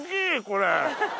これ。